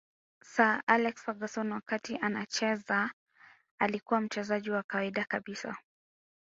Sir Alex Ferguson wakati anacheza alikuwa mchezaji wa kawaida kabisa